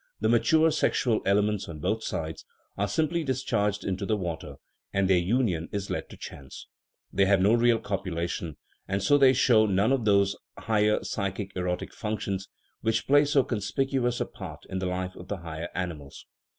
the mature sexual elements on both sides are simply discharged into the water, and their union is let to chance; they have no real copulation, and so they show none of those higher psychic " erotic " functions which play so con spicuous a part in the life of the higher animals.